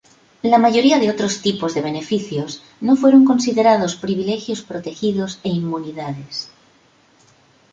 La mayoría de otros tipos de beneficios no fueron considerados privilegios protegidos e inmunidades.